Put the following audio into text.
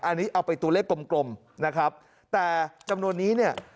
อันนี้เอาไปตัวเลขกลมกลมนะครับแต่จำนวนนี้เนี่ย